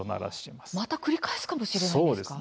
また、繰り返すかもしれないんですか？